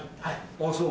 あぁそう。